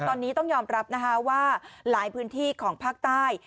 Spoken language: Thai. ตอนนี้ต้องยอมรับนะคะว่าหลายพื้นที่ของภาคใต้